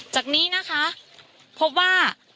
จากนี้นะคะพบว่า